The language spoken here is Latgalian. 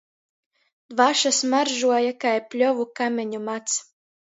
Dvaša smaržuoja kai pļovu kameņu mads.